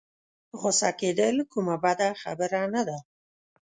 غوسه کېدل کومه بده خبره نه ده.